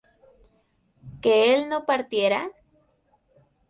¿que él no partiera?